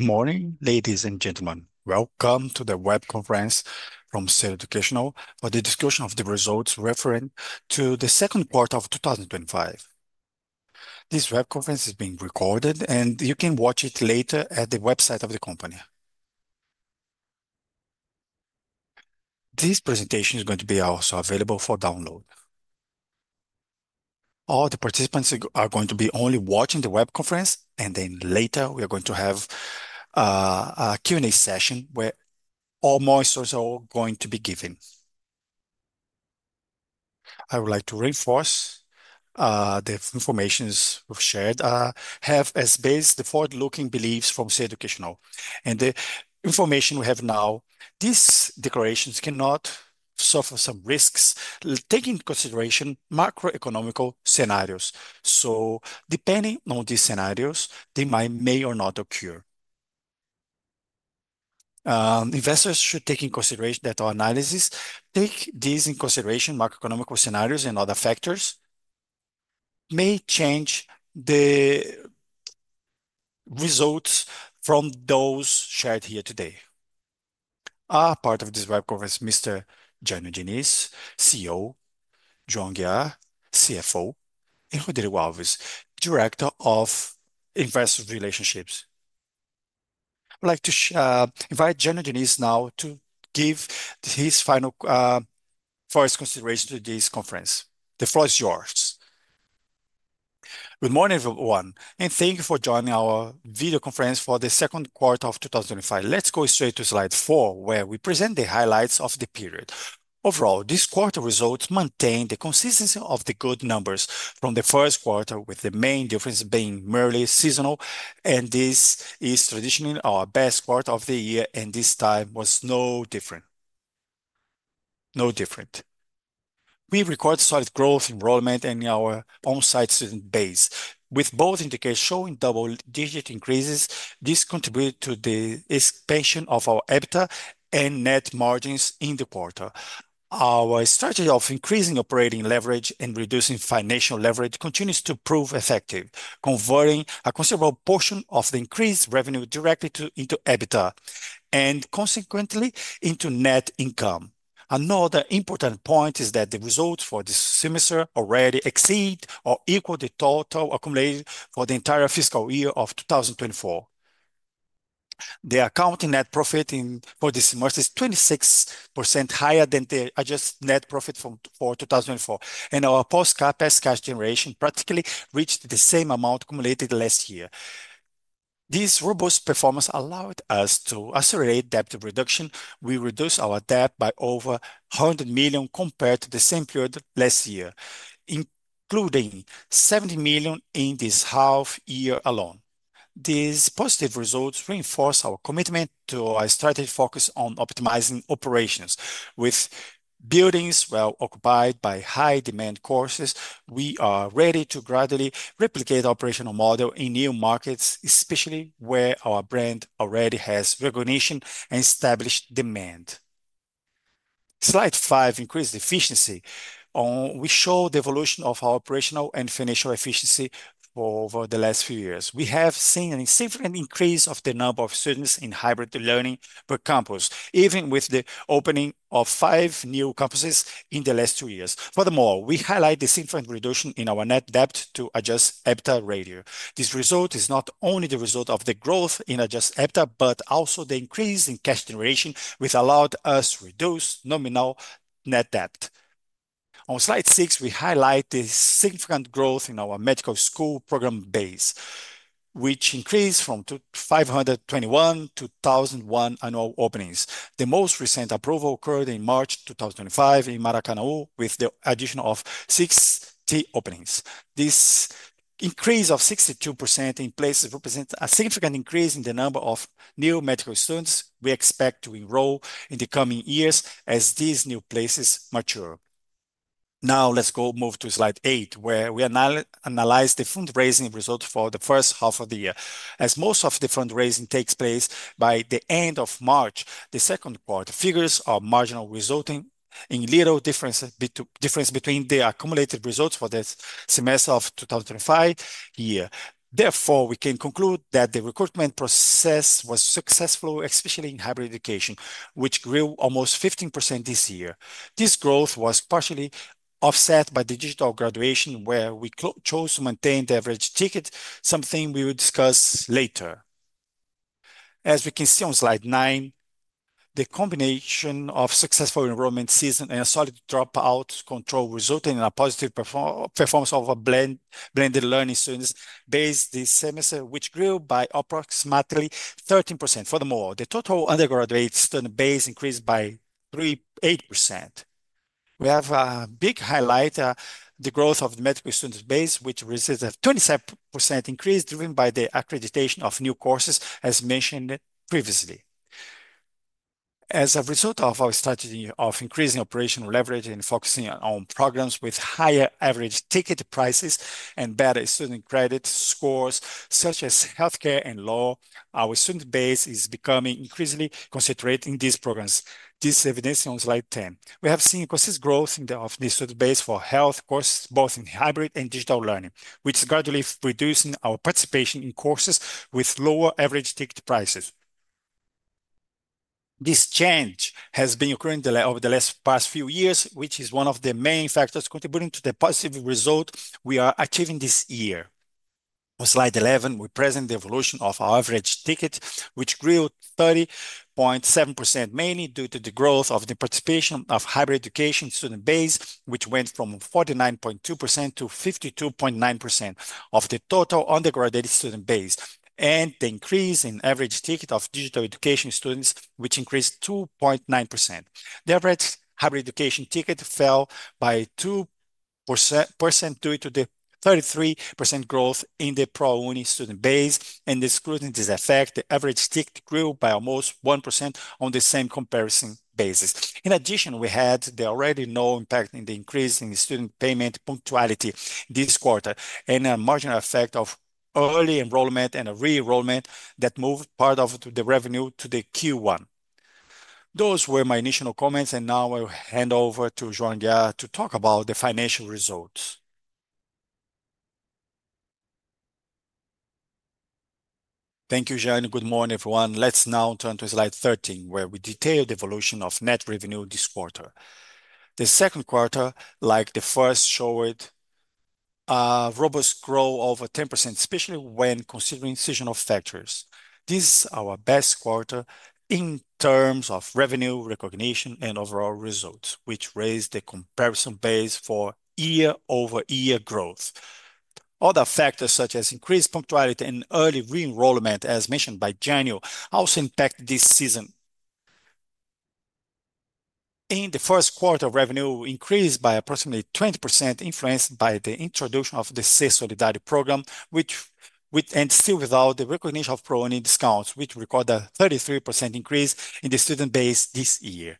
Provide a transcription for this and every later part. Good morning, ladies and gentlemen. Welcome to the Web Conference from Ser Educacional for the Discussion of the Results Referring to the Second Quarter of 2025. This web conference is being recorded, and you can watch it later at the website of the company. This presentation is going to be also available for download. All the participants are going to be only watching the web conference, and later we are going to have a Q&A session where all answers are going to be given. I would like to reinforce the information we've shared has based the forward-looking beliefs from Ser Educacional. and the information we have now, these declarations cannot suffer some risks taking into consideration macroeconomical scenarios. Depending on these scenarios, they may or may not occur. Investors should take into consideration that our analysis takes into consideration macroeconomical scenarios and other factors may change the results from those shared here today. A part of this web conference is Mr. Jânyo Diniz, CEO, João de Aguiar, CFO, and Rodrigo Alves, Director of Investor Relations. I'd like to invite Jânyo Diniz now to give his final thoughts and considerations to this conference. The floor is yours. Good morning, everyone, and thank you for joining our video conference for the second quarter of 2025. Let's go straight to slide four, where we present the highlights of the period. Overall, this quarter's results maintain the consistency of the good numbers from the first quarter, with the main difference being merely seasonal, and this is traditionally our best quarter of the year, and this time was no different. We recorded solid growth in enrollment and in our onsite student base, with both indicators showing double-digit increases. This contributed to the expansion of our EBITDA and net margins in the quarter. Our strategy of increasing operating leverage and reducing financial leverage continues to prove effective, converting a considerable portion of the increased revenue directly into EBITDA and, consequently, into net income. Another important point is that the results for this semester already exceed or equal the total accumulated for the entire fiscal year of 2024. The accounting net profit for this semester is 26% higher than the adjusted net profit for 2024, and our post-CapEx cash generation practically reached the same amount accumulated last year. This robust performance allowed us to accelerate debt reduction. We reduced our debt by over 100 million compared to the same period last year, including 70 million in this half-year alone. These positive results reinforce our commitment to our strategic focus on optimizing operations. With buildings well occupied by high-demand courses, we are ready to gradually replicate the operational model in new markets, especially where our brand already has recognition and established demand. Slide five: increased efficiency. We show the evolution of our operational and financial efficiency over the last few years. We have seen a significant increase of the number of students in hybrid learning per campus, even with the opening of five new campuses in the last two years. Furthermore, we highlight the significant reduction in our net debt to adjusted EBITDA ratio. This result is not only the result of the growth in adjusted EBITDA, but also the increase in cash generation, which allowed us to reduce nominal net debt. On slide six, we highlight the significant growth in our medical school program base, which increased from 521 to 1,001 annual openings. The most recent approval occurred in March 2025 in Maracanaú, with the addition of 60 openings. This increase of 62% in places represents a significant increase in the number of new medical students we expect to enroll in the coming years as these new places mature. Now, let's move to slide eight, where we analyze the fundraising results for the first half of the year. As most of the fundraising takes place by the end of March, the second quarter figures are marginal, resulting in little difference between the accumulated results for the semester of 2025. Therefore, we can conclude that the recruitment process was successful, especially in hybrid education, which grew almost 15% this year. This growth was partially offset by the digital graduation, where we chose to maintain the average ticket, something we will discuss later. As we can see on slide nine, the combination of successful enrollment season and a solid dropout control resulted in a positive performance of our blended learning student base this semester, which grew by approximately 13%. Furthermore, the total undergraduate student base increased by 8%. We have a big highlight: the growth of the medical student base, which registers a 27% increase driven by the accreditation of new courses, as mentioned previously. As a result of our strategy of increasing operational leverage and focusing on programs with higher average ticket prices and better student credit scores, such as healthcare and law, our student base is becoming increasingly concentrated in these programs. This is evidenced on slide 10. We have seen a consistent growth in the student base for health courses, both in hybrid and digital learning, which gradually reduces our participation in courses with lower average ticket prices. This change has been occurring over the past few years, which is one of the main factors contributing to the positive result we are achieving this year. On slide 11, we present the evolution of our average ticket, which grew 30.7%, mainly due to the growth of the participation of hybrid education student base, which went from 49.2%-52.9% of the total undergraduate student base, and the increase in average tickets of digital education students, which increased 2.9%. The average hybrid education ticket fell by 2% due to the 33% growth in the ProUni student base, and the scrutiny affects the average ticket growth by almost 1% on the same comparison basis. In addition, we had the already known impact in the increase in student payment punctuality this quarter and a marginal effect of early enrollment and re-enrollment that moved part of the revenue to Q1. Those were my initial comments, and now I will hand over to João to talk about the financial results. Thank you, Jânyo. Good morning, everyone. Let's now turn to slide 13, where we detail the evolution of net revenue this quarter. The second quarter, like the first, showed a robust growth of over 10%, especially when considering seasonal factors. This is our best quarter in terms of revenue recognition and overall results, which raised the comparison base for year-over-year growth. Other factors, such as increased punctuality and early re-enrollment, as mentioned by Jânyo, also impact this season. In the first quarter, revenue increased by approximately 20%, influenced by the introduction of the CES Solidarity program, and still without the recognition of ProUni discounts, which recorded a 33% increase in the student base this year.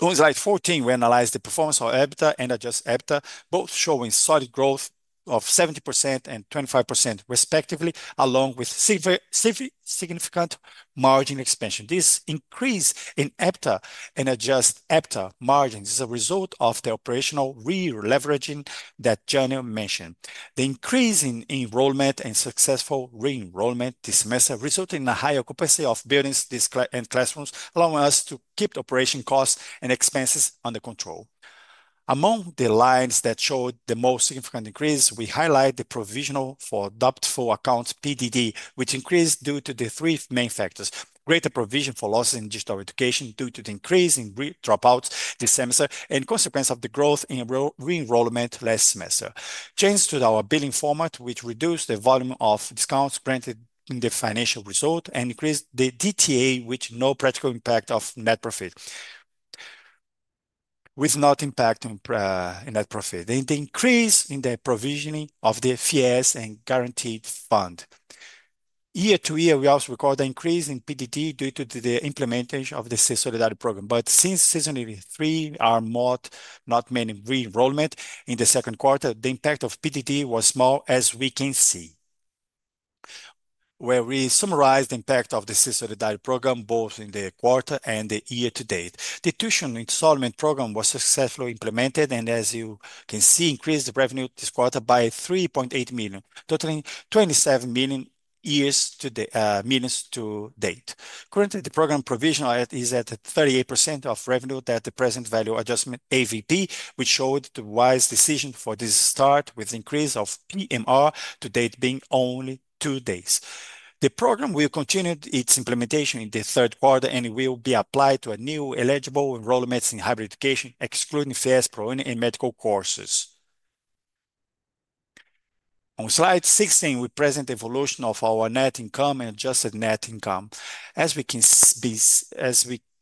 On slide 14, we analyze the performance of EBITDA and adjusted EBITDA, both showing solid growth of 70% and 25% respectively, along with significant margin expansion. This increase in EBITDA and adjusted EBITDA margins is a result of the operational re-leveraging that Jânyo mentioned. The increase in enrollment and successful re-enrollment this semester resulted in a high occupancy of buildings and classrooms, allowing us to keep the operation costs and expenses under control. Among the lines that showed the most significant increase, we highlight the provision for doubtful accounts, PDD, which increased due to three main factors: greater provision for losses in digital education due to the increase in dropouts this semester, and consequence of the growth in re-enrollment last semester. Changes to our billing format reduced the volume of discounts printed in the financial result and increased the DTA, with no practical impact on net profit, and the increase in the provisioning of the FES and guaranteed fund. Year to year, we also record an increase in PDD due to the implementation of the CES Solidarity program, but since season three are not meaning re-enrollment in the second quarter, the impact of PDD was small, as we can see. We summarize the impact of the CES Solidarity program, both in the quarter and the year to date. The tuition and installment program was successfully implemented, and as you can see, increased the revenue this quarter by 3.8 million, totaling 27 million to date. Currently, the program provision is at 38% of revenue that the present value adjustment AVP, which showed the wise decision for this start, with the increase of PMR to date being only two days. The program will continue its implementation in the third quarter, and it will be applied to a new eligible enrollment in hybrid education, excluding CES ProUni and medical courses. On slide 16, we present the evolution of our net income and adjusted net income. As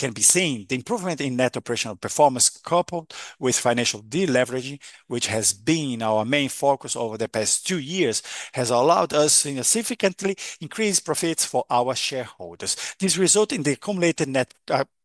can be seen, the improvement in net operational performance, coupled with financial deleveraging, which has been our main focus over the past two years, has allowed us to significantly increase profits for our shareholders. This resulted in the accumulated net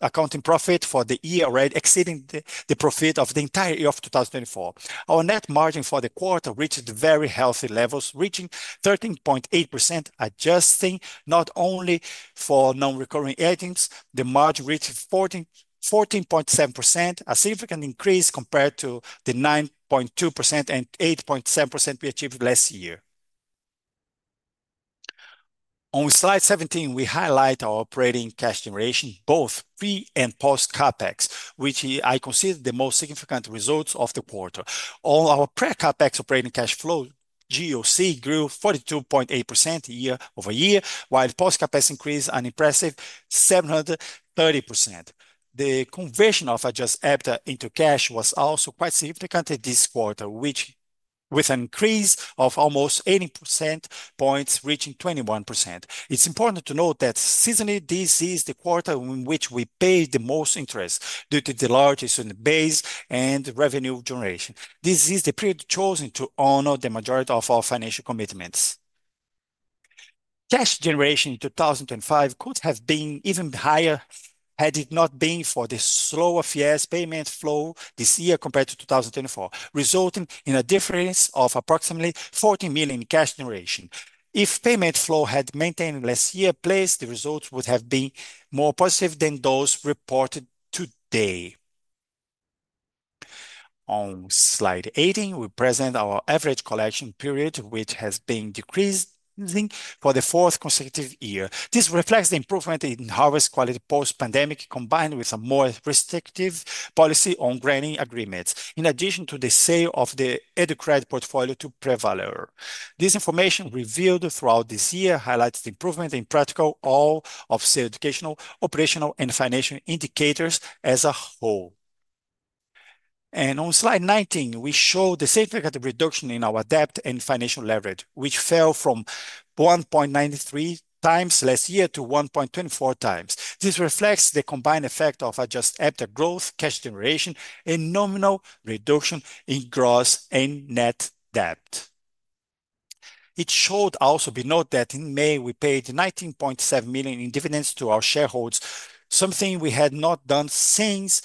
accounting profit for the year already exceeding the profit of the entire year of 2024. Our net margin for the quarter reached very healthy levels, reaching 13.8%, adjusting not only for non-recurring earnings. The margin reached 14.7%, a significant increase compared to the 9.2% and 8.7% we achieved last year. On slide 17, we highlight our operating cash generation, both pre and post-CapEx, which I consider the most significant results of the quarter. On our pre-CapEx operating cash flow, GOC grew 42.8% year-over-year, while post-CapEx increased an impressive 730%. The conversion of adjusted EBITDA into cash was also quite significant this quarter, with an increase of almost 80% points, reaching 21%. It's important to note that seasonally, this is the quarter in which we pay the most interest due to the large student base and revenue generation. This is the period chosen to honor the majority of our financial commitments. Cash generation in 2025 could have been even higher had it not been for the slower FES payment flow this year compared to 2024, resulting in a difference of approximately 14 million in cash generation. If payment flow had maintained last year, the results would have been more positive than those reported today. On slide 18, we present our average collection period, which has been decreasing for the fourth consecutive year. This reflects the improvement in harvest quality post-pandemic, combined with a more restrictive policy on granting agreements, in addition to the sale of the EduCredit portfolio to Pravaler. This information revealed throughout this year highlights the improvement in practically all of Ser Educacional's operational and financial indicators as a whole. On slide 19, we show the significant reduction in our debt and financial leverage, which fell from 1.93 times last year to 1.24 times. This reflects the combined effect of adjusted EBITDA growth, cash generation, and nominal reduction in gross and net debt. It should also be noted that in May, we paid 19.7 million in dividends to our shareholders, something we had not done since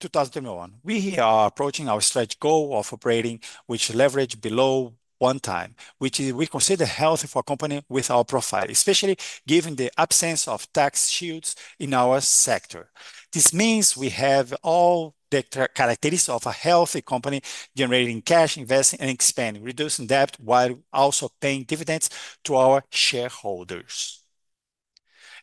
2021. We are approaching our strategic goal of operating with leverage below one time, which we consider healthy for a company with our profile, especially given the absence of tax shields in our sector. This means we have all the characteristics of a healthy company, generating cash, investing, and expanding, reducing debt while also paying dividends to our shareholders.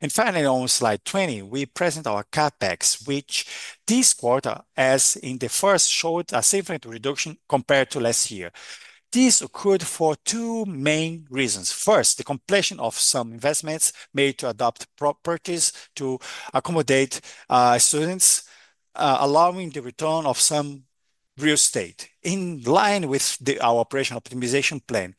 Finally, on slide 20, we present our CapEx, which this quarter, as in the first, showed a significant reduction compared to last year. This occurred for two main reasons. First, the completion of some investments made to adapt properties to accommodate students, allowing the return of some real estate in line with our operational optimization plan.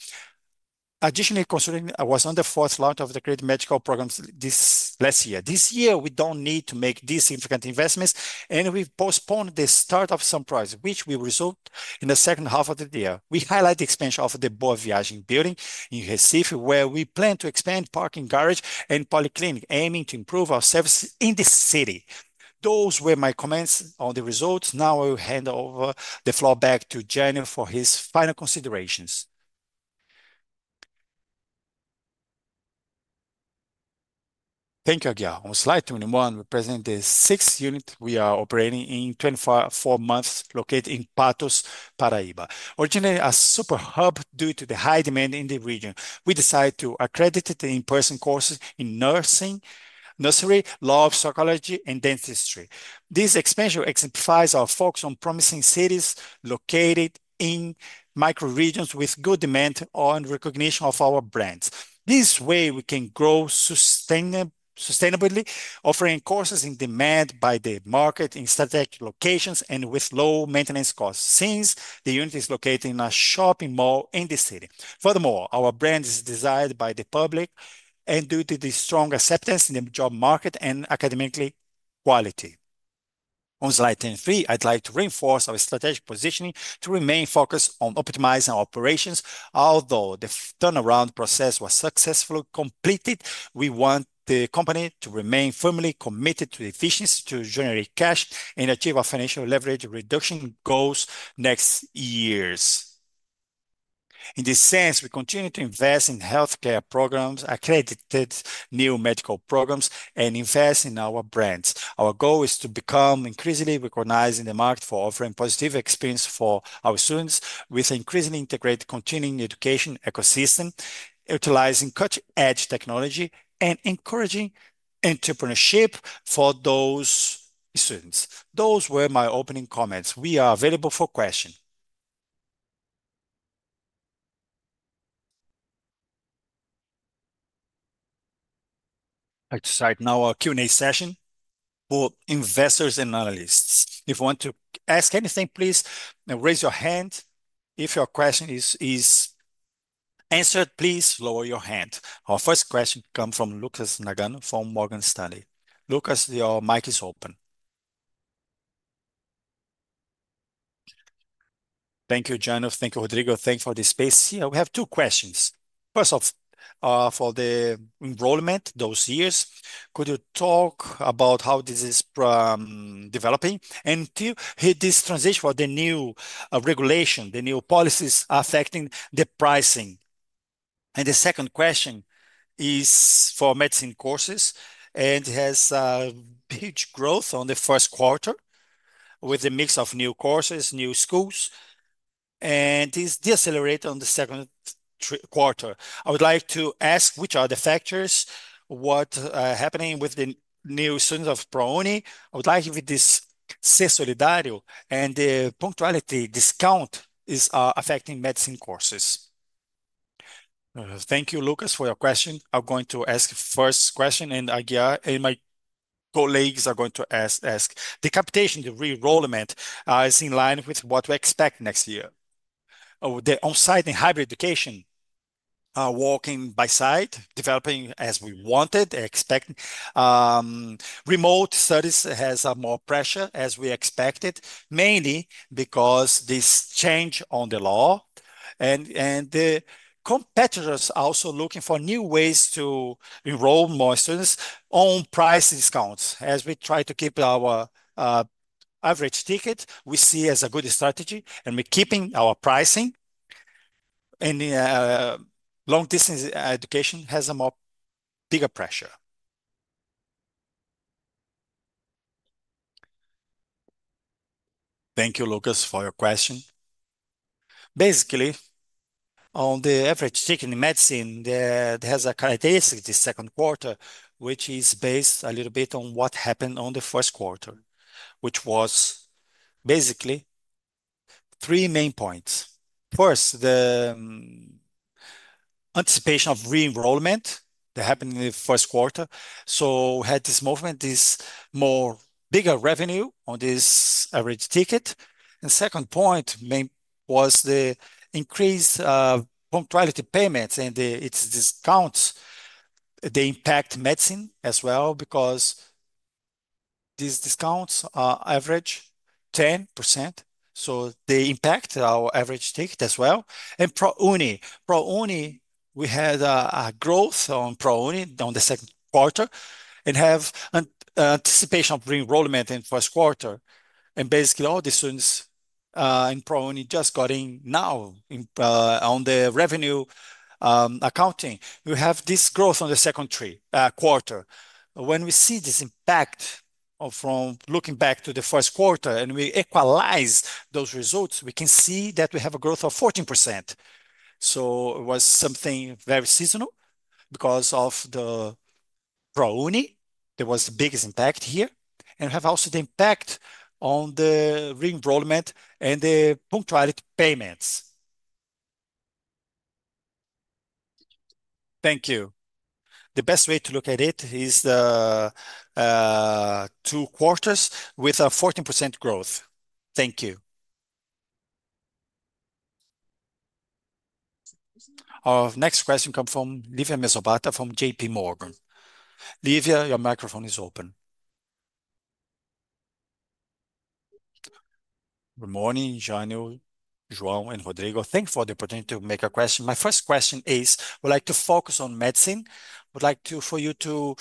Additionally, considering I was on the first round of the credit medical programs this last year, this year we don't need to make these significant investments, and we postponed the start of some projects, which will result in the second half of the year. We highlight the expansion of the Boaviagem building in Recife, where we plan to expand parking, garage, and polyclinic, aiming to improve our services in the city. Those were my comments on the results. Now I will hand over the floor back to Jânyo for his final considerations. Thank you, João. On slide 21, we present the sixth unit we are operating in 24 months, located in Patos, Paraíba. Originally a super hub due to the high demand in the region, we decided to accredit the in-person courses in nursery, law, psychology, and dentistry. This expansion exemplifies our focus on promising cities located in micro-regions with good demand on recognition of our brands. This way, we can grow sustainably, offering courses in demand by the market in strategic locations and with low maintenance costs, since the unit is located in a shopping mall in the city. Furthermore, our brand is desired by the public and due to the strong acceptance in the job market and academic quality. On slide 23, I'd like to reinforce our strategic positioning to remain focused on optimizing our operations. Although the turnaround process was successfully completed, we want the company to remain firmly committed to efficiency, to generate cash, and achieve our financial leverage reduction goals next year. In this sense, we continue to invest in healthcare programs, accredited new medical programs, and invest in our brands. Our goal is to become increasingly recognized in the market for offering positive experiences for our students with an increasingly integrated continuing education ecosystem, utilizing cutting-edge technology, and encouraging entrepreneurship for those students. Those were my opening comments. We are available for questions. I'd like to start now our Q&A session for investors and analysts. If you want to ask anything, please raise your hand. If your question is answered, please lower your hand. Our first question comes from Lucas Nagano from Morgan Stanley. Lucas, your mic is open. Thank you, Jânyo. Thank you, Rodrigo. Thank you for the space. Yeah, we have two questions. First of all, for the enrollment those years, could you talk about how this is developing and to hear this transition for the new regulation, the new policies affecting the pricing? The second question is for medicine courses, and it has a huge growth on the first quarter with a mix of new courses, new schools, and is decelerated on the second quarter. I would like to ask, which are the factors? What is happening with the new students of ProUni? I would like to hear if this CES Solidarity and the punctuality discount is affecting medicine courses. Thank you, Lucas, for your question. I'm going to ask the first question, and João Guia and my colleagues are going to ask. The capitation, the re-enrollment, is in line with what we expect next year? The onsite and hybrid education are walking by side, developing as we wanted, expected. Remote studies have more pressure as we expected, mainly because this change on the law, and the competitors are also looking for new ways to enroll more students on price discounts. As we try to keep our average ticket, we see it as a good strategy, and we're keeping our pricing. Long-distance education has a more bigger pressure. Thank you, Lucas, for your question. Basically, on the average ticket in medicine, it has a characteristic of the second quarter, which is based a little bit on what happened in the first quarter, which was basically three main points. First, the anticipation of re-enrollment that happened in the first quarter. We had this movement, this more bigger revenue on this average ticket. The second point was the increased punctuality payments and its discounts. They impact medicine as well because these discounts are average 10%. They impact our average ticket as well. ProUni, ProUni, we had a growth on ProUni on the second quarter and have an anticipation of re-enrollment in the first quarter. Basically, all the students in ProUni just got in now on the revenue accounting. We have this growth on the second quarter. When we see this impact from looking back to the first quarter, and we equalize those results, we can see that we have a growth of 14%. It was something very seasonal because of the ProUni. There was the biggest impact here, and we have also the impact on the re-enrollment and the punctuality payments. Thank you. The best way to look at it is the two quarters with a 14% growth. Thank you. Our next question comes from Livea Mizobata from JPMorgan. Livea, your microphone is open. Good morning, Jânyo, João, and Rodrigo. Thanks for the opportunity to make a question. My first question is, I would like to focus on medicine. I would like for you to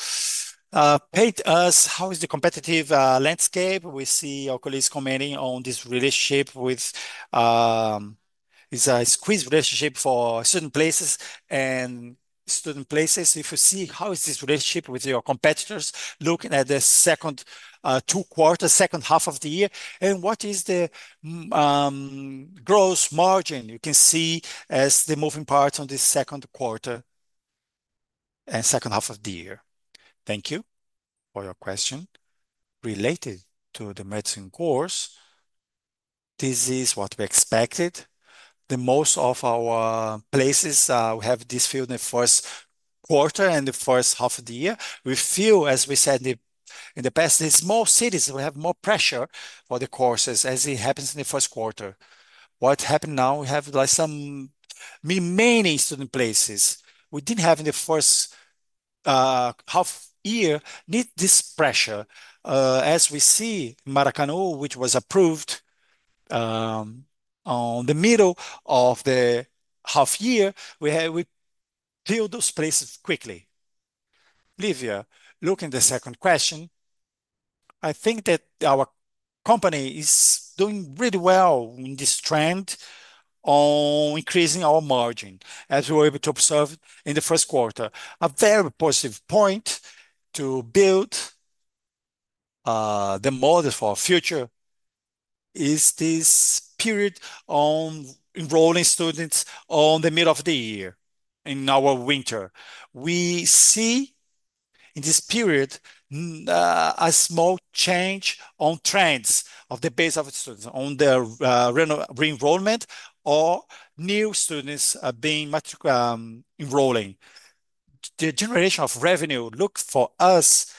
paint to us how is the competitive landscape. We see our colleagues commenting on this relationship with a squeeze relationship for certain places. In certain places, if you see how is this relationship with your competitors looking at the second two quarters, second half of the year, and what is the gross margin you can see as the moving parts on this second quarter and second half of the year. Thank you for your question. Related to the medicine course, this is what we expected. Most of our places we have this field in the first quarter and the first half of the year. We feel as we said in the past, these small cities will have more pressure for the courses as it happens in the first quarter. What happened now? We have some remaining student places we didn't have in the first half year need this pressure. As we see Maracanaú, which was approved in the middle of the half year, we fill those places quickly. Livea, looking at the second question, I think that our company is doing really well in this trend on increasing our margin, as we were able to observe in the first quarter. A very positive point to build the model for our future is this period on enrolling students in the middle of the year, in our winter. We see in this period a small change on trends of the base of students on their re-enrollment or new students being enrolling. The generation of revenue looks for us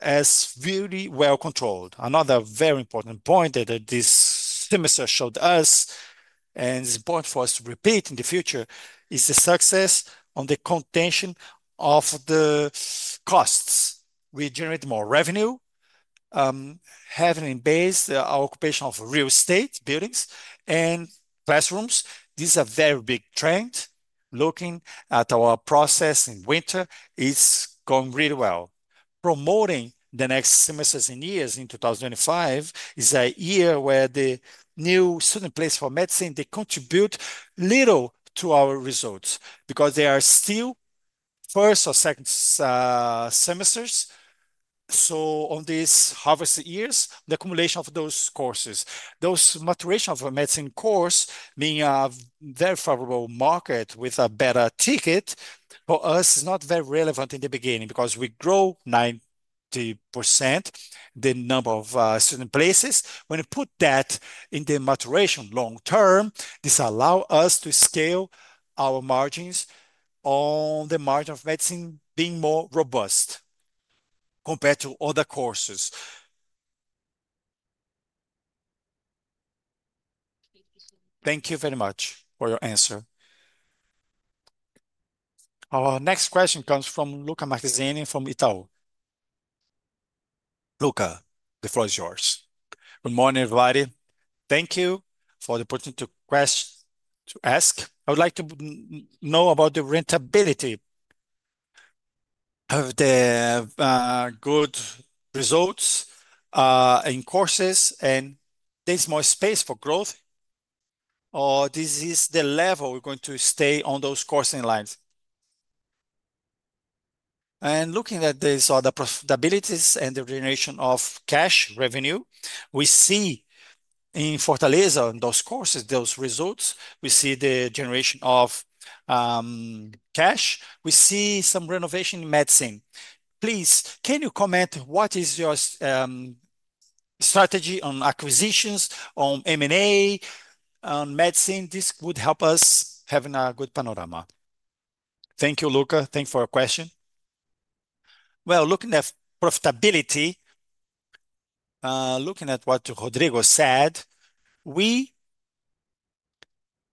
as really well controlled. Another very important point that this semester showed us and is important for us to repeat in the future is the success on the contention of the costs. We generate more revenue, having embraced our occupation of real estate buildings and classrooms. This is a very big trend. Looking at our process in winter, it's going really well. Promoting the next semesters and years in 2025 is a year where the new student places for medicine, they contribute little to our results because they are still first or second semesters. On these harvest years, the accumulation of those courses, those maturations of a medicine course being a very favorable market with a better ticket for us is not very relevant in the beginning because we grow 90% the number of student places. When you put that in the maturation long term, this allows us to scale our margins on the margin of medicine being more robust compared to other courses. Thank you very much for your answer. Our next question comes from Lucca Marquezini from Itaú. Lucca, the floor is yours. Good morning, everybody. Thank you for the opportunity to ask. I would like to know about the rentability. Have there been good results in courses and there's more space for growth, or this is the level we're going to stay on those coursing lines? Looking at these other profitabilities and the generation of cash revenue, we see in Fortaleza on those courses, those results. We see the generation of cash. We see some renovation in medicine. Please, can you comment what is your strategy on acquisitions, on M&A, on medicine? This would help us have a good panorama. Thank you, Lucca. Thank you for your question. Looking at profitability, looking at what Rodrigo said, we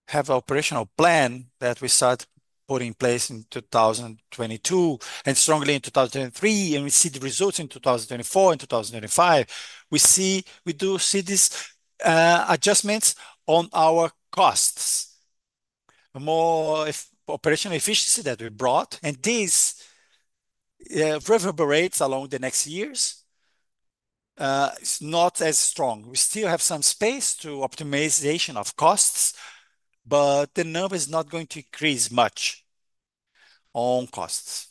have an operational plan that we started putting in place in 2022 and strongly in 2023, and we see the results in 2024 and 2025. We see, we do see these adjustments on our costs. The more operational efficiency that we brought and these profitable rates along the next years is not as strong. We still have some space to optimization of costs, but the number is not going to increase much on costs.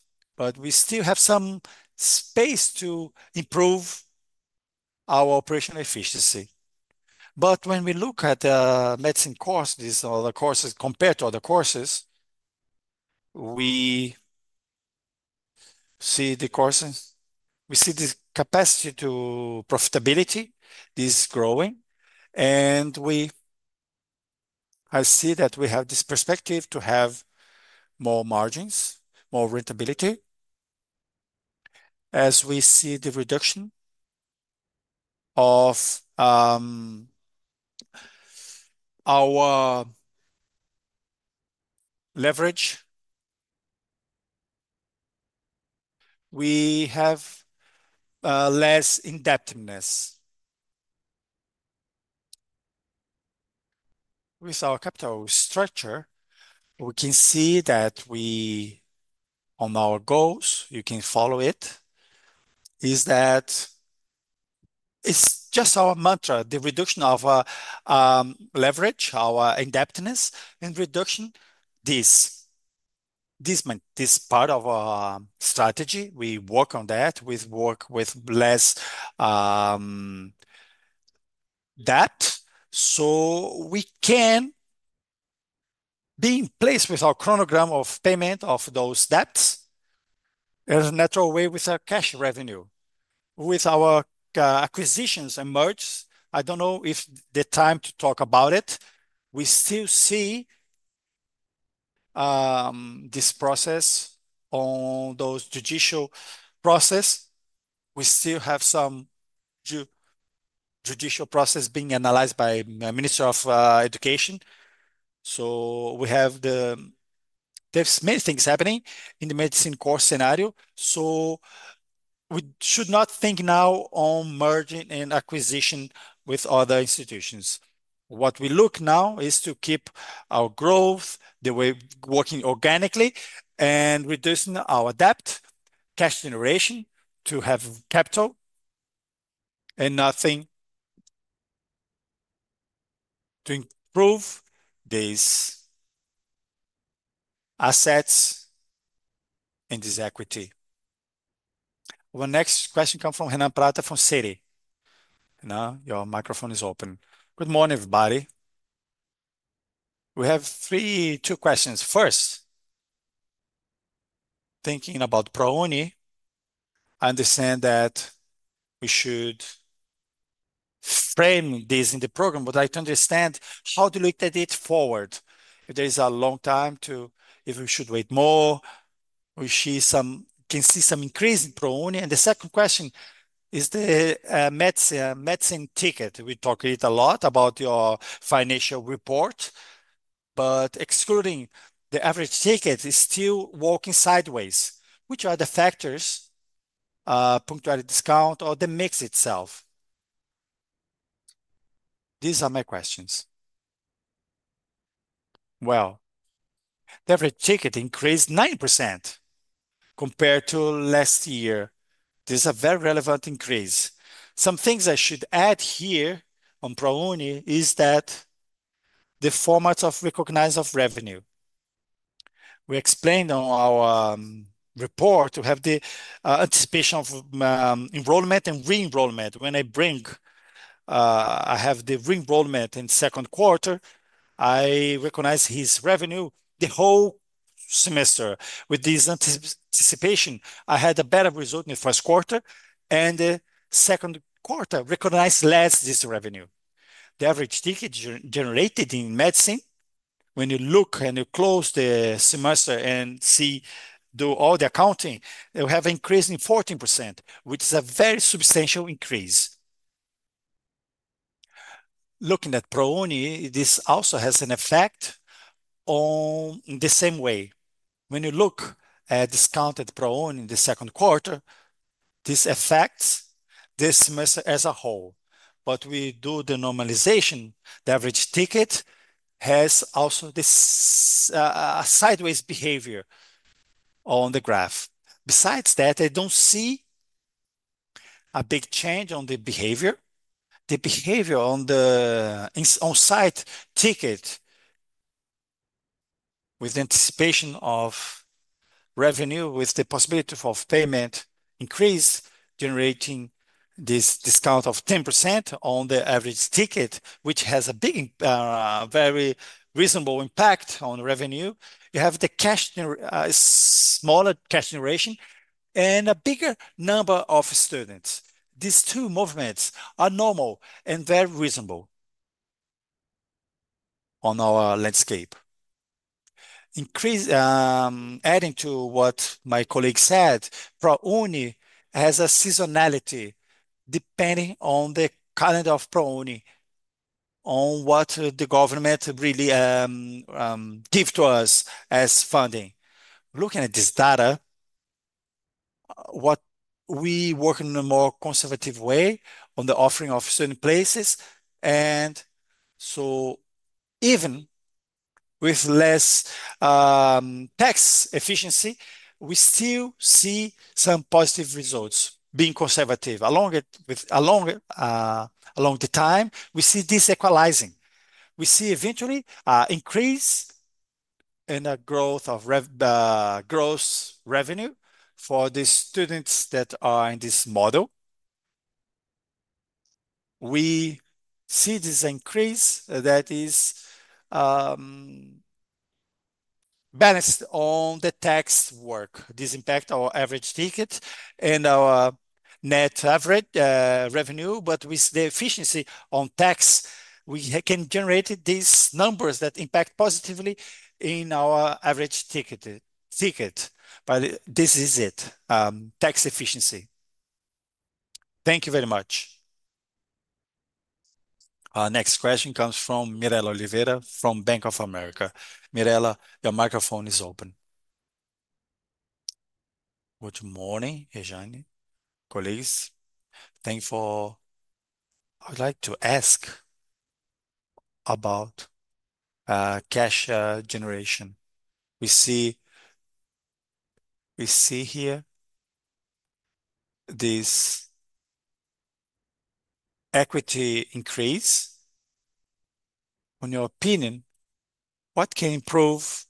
We still have some space to improve our operational efficiency. When we look at the medicine course, these are the courses compared to other courses, we see the courses, we see the capacity to profitability is growing, and we see that we have this perspective to have more margins, more rentability as we see the reduction of our leverage. We have less indebtedness. With our capital structure, we can see that we, on our goals, you can follow it, is that it's just our mantra, the reduction of our leverage, our indebtedness, and reduction this. This part of our strategy, we work on that. We work with less debt so we can be in place with our chronogram of payment of those debts in a natural way with our cash revenue. With our acquisitions and mergers, I don't know if the time to talk about it. We still see this process on those judicial processes. We still have some judicial processes being analyzed by the Minister of Education. We have, there's many things happening in the medicine course scenario. We should not think now on merging and acquisition with other institutions. What we look now is to keep our growth, the way working organically, and reducing our debt, cash generation to have capital, and nothing to improve these assets and this equity. Our next question comes from Renan Prata from Citi. Renan, your microphone is open. Good morning, everybody. We have two questions. First, thinking about ProUni, I understand that we should frame this in the program, but I'd like to understand how to look at it forward. If there is a long time to, if we should wait more, we see some, can see some increase in ProUni. The second question is the medicine ticket. We talked a lot about your financial report, but excluding the average ticket, it's still walking sideways. Which are the factors, punctuality discount, or the mix itself? These are my questions. The average ticket increased 90% compared to last year. This is a very relevant increase. Some things I should add here on ProUni is that the formats of recognizing revenue. We explained on our report to have the anticipation of enrollment and re-enrollment. When I bring, I have the re-enrollment in the second quarter, I recognize this revenue the whole semester. With this anticipation, I had a better result in the first quarter, and the second quarter recognized less this revenue. The average ticket generated in medicine, when you look and you close the semester and see, do all the accounting, you have an increase in 14%, which is a very substantial increase. Looking at ProUni, this also has an effect in the same way. When you look at discounted ProUni in the second quarter, this affects this semester as a whole. We do the normalization. The average ticket has also a sideways behavior on the graph. Besides that, I don't see a big change on the behavior. The behavior on the onsite ticket with the anticipation of revenue, with the possibility of payment increase, generating this discount of 10% on the average ticket, which has a big, very reasonable impact on revenue. You have the cash, a smaller cash generation, and a bigger number of students. These two movements are normal and very reasonable on our landscape. Adding to what my colleague said, ProUni has a seasonality depending on the kind of ProUni, on what the government really gives to us as funding. Looking at this data, we work in a more conservative way on the offering of student places. Even with less tax efficiency, we still see some positive results being conservative. Along with a longer time, we see this equalizing. We see eventually an increase in the growth of revenue for the students that are in this model. We see this increase that is balanced on the tax work. This impacts our average ticket and our net average revenue. With the efficiency on tax, we can generate these numbers that impact positively in our average ticket. This is it, tax efficiency. Thank you very much. Our next question comes from Mirela Oliveira from Bank of America. Mirela, your microphone is open. Good morning, Jânyo, colleagues. Thank you for. I'd like to ask about cash generation. We see here this equity increase. In your opinion, what can improve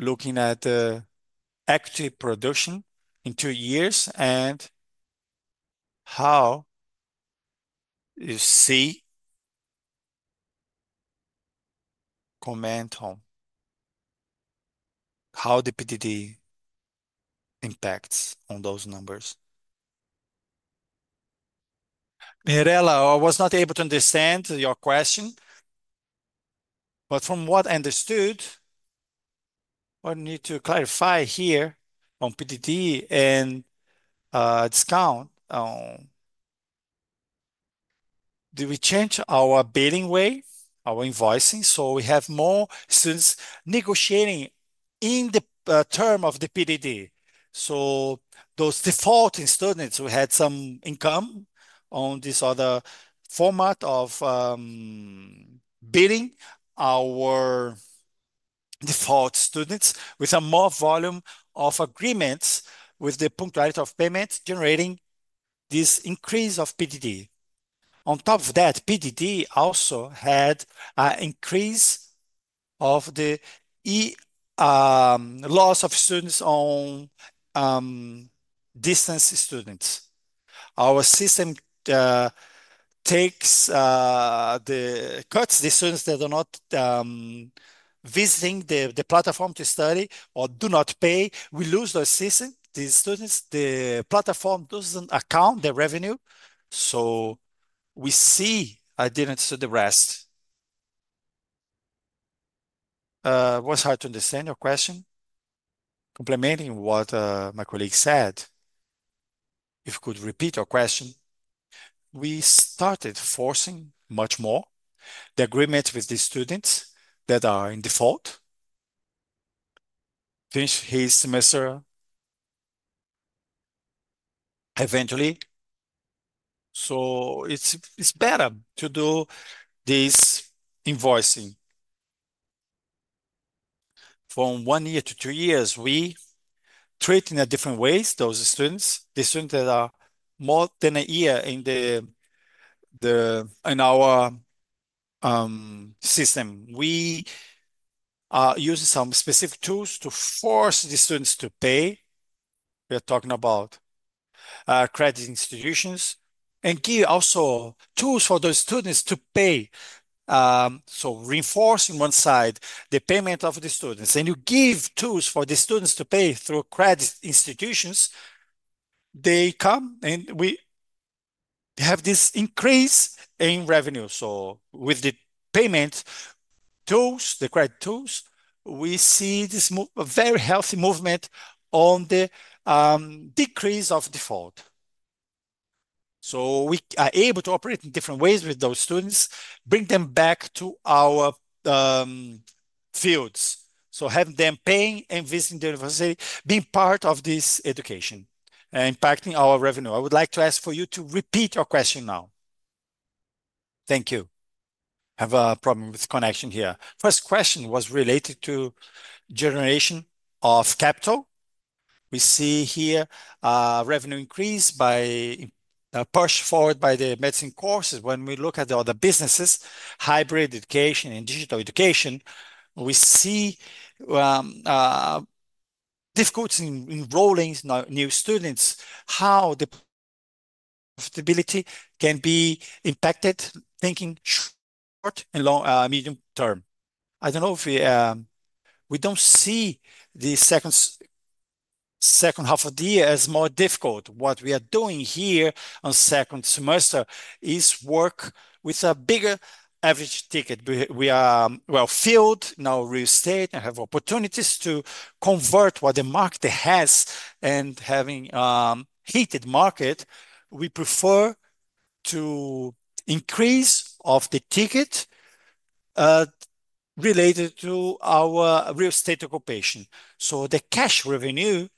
looking at the equity production in two years and how you see comment on how the PDD impacts on those numbers? Mirela, I was not able to understand your question. From what I understood, I need to clarify here on PDD and discount, do we change our billing way, our invoicing? We have more students negotiating in the term of the PDD. Those defaulting students who had some income on this other format of billing, our default students with a more volume of agreements with the punctuality of payments generating this increase of PDD. On top of that, PDD also had an increase of the loss of students on distance students. Our system cuts the students that are not visiting the platform to study or do not pay. We lose those students. The platform doesn't account the revenue. I didn't understand the rest. It was hard to understand your question. Complementing what my colleague said, if you could repeat your question, we started forcing much more the agreement with the students that are in default. Finish his semester eventually. It's better to do this invoicing. From one year to two years, we treat in a different way those students, the students that are more than a year in our system. We use some specific tools to force the students to pay. We are talking about credit institutions and give also tools for those students to pay. Reinforce on one side the payment of the students. You give tools for the students to pay through credit institutions. They come and we have this increase in revenue. With the payment tools, the credit tools, we see this very healthy movement on the decrease of default. We are able to operate in different ways with those students, bring them back to our fields. Having them pay and visiting the university, being part of this education and impacting our revenue. I would like to ask for you to repeat your question now. Thank you. I have a problem with the connection here. First question was related to generation of capital. We see here a revenue increase pushed forward by the medicine courses. When we look at the other businesses, hybrid education and digital education, we see difficulties in enrolling new students, how the profitability can be impacted, thinking short and long, medium term. I don't know if we don't see the second half of the year as more difficult. What we are doing here on the second semester is work with a bigger average ticket. We are well-filled in our real estate and have opportunities to convert what the market has and having a heated market. We prefer to increase the ticket related to our real estate occupation. The cash revenue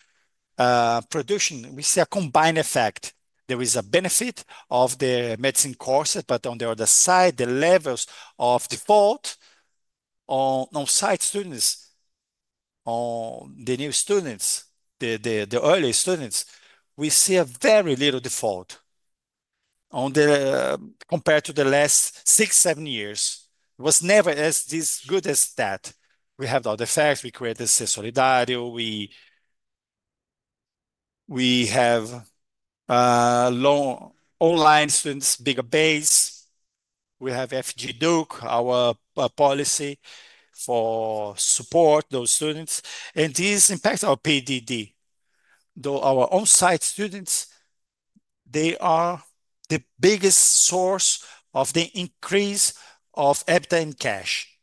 production, we see a combined effect. There is a benefit of the medicine courses, but on the other side, the levels of default on-site students, on the new students, the early students, we see a very little default compared to the last six, seven years. It was never as good as that. We have the other facts. We created CES Solidarity. We have long online students, bigger base. We have, our policy for supporting those students. This impacts our PDD. Though our onsite students, they are the biggest source of the increase of EBITDA in cash.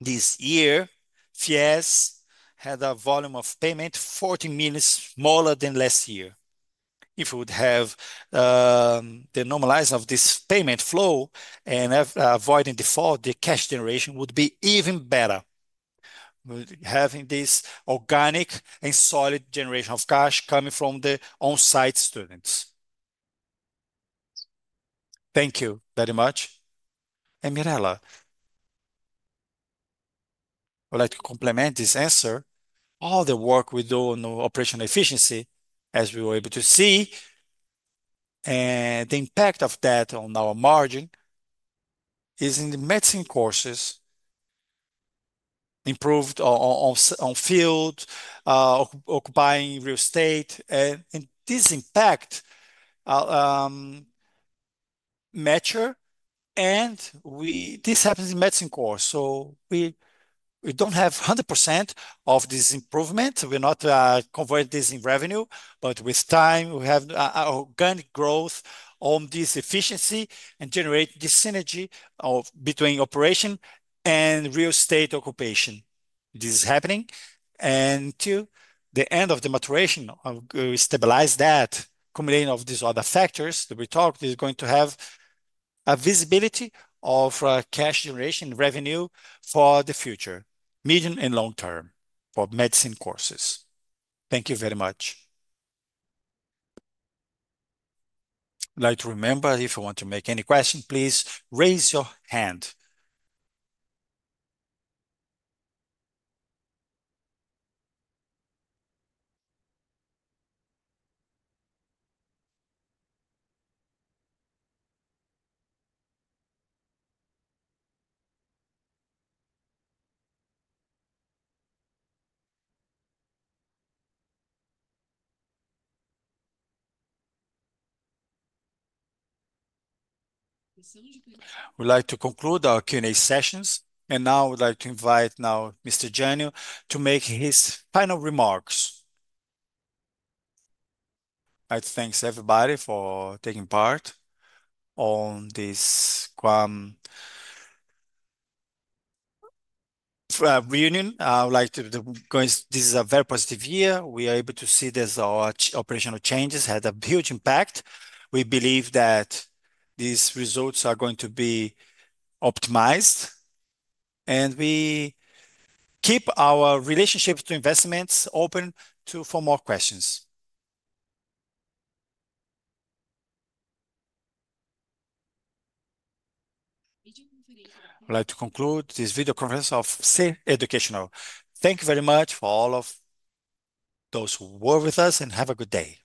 This year, FES had a volume of payment 14 million, smaller than last year. If we would have the normalization of this payment flow and avoiding default, the cash generation would be even better. We're having this organic and solid generation of cash coming from the onsite students. Thank you very much. Mirela, I would like to complement this answer. All the work we do on operational efficiency, as we were able to see, and the impact of that on our margin is in the medicine courses, improved on field, occupying real estate. This impact matters, and this happens in medicine courses. We don't have 100% of this improvement. We're not converting this in revenue, but with time, we have organic growth on this efficiency and generate this synergy between operation and real estate occupation. This is happening. To the end of the maturation, we stabilize that. Combination of these other factors that we talked about is going to have a visibility of cash generation revenue for the future, medium and long term for medicine courses. Thank you very much. I'd like to remember, if you want to make any questions, please raise your hand. We'd like to conclude our Q&A sessions, and now I would like to invite Mr. Jânyo to make his final remarks. I'd like to thank everybody for taking part in this reunion. I would like to go in. This is a very positive year. We are able to see that our operational changes had a huge impact. We believe that these results are going to be optimized, and we keep our relationship to investments open for more questions. I'd like to conclude this video conference of Ser Educacional. Thank you very much for all of those who were with us, and have a good day.